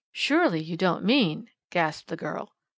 "Surely, you don't mean?" gasped the girl.